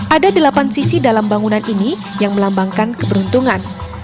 ada delapan sisi dalam bangunan ini yang melambangkan keberuntungan